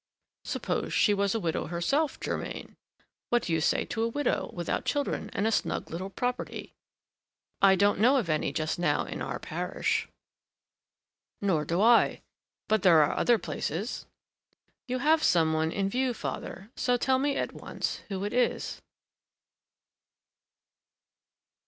"Suppose she was a widow herself, Germain? what do you say to a widow without children, and a snug little property?" "I don't know of any just now in our parish." "Nor do I, but there are other places." "You have some one in view, father; so tell me at once who it is."